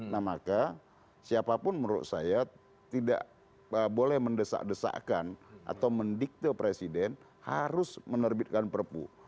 nah maka siapapun menurut saya tidak boleh mendesak desakan atau mendikte presiden harus menerbitkan perpu